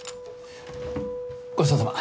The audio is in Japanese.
ごちそうさま。